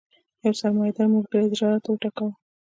یو سرمایه دار ملګري زړه راته وټکاوه.